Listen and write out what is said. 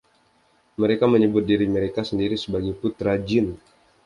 Mereka menyebut diri mereka sendiri sebagai "putra Jin".